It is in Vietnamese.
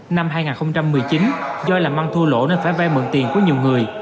năm hai nghìn một mươi chín do làm ăn thua lỗ nên phải vay mượn tiền của nhiều người